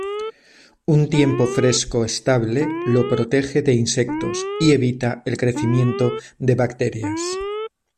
Un tiempo fresco estable lo protege de insectos y evita el crecimiento de bacterias.